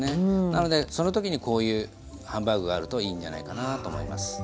なのでその時にこういうハンバーグがあるといいんじゃないかなと思います。